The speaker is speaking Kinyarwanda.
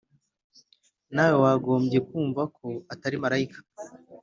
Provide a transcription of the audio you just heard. na we yagombye kumva ko atari marayika,